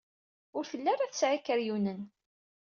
Ur telli ara tesɛa ikeryunen.